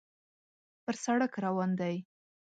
پر سړک روان دی.